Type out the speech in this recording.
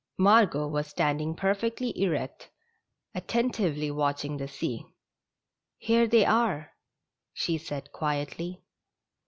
Margot was standing perfectly erect, attentively watch ing the sea. " Here they are," she said, quietly.